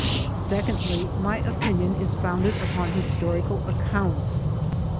Secondly, my opinion is founded upon historical ac counts.